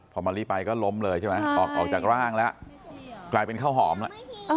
พอมะลิไปก็ล้มเลยใช่ไหมออกจากร่างแล้วกลายเป็นข้าวหอมแล้ว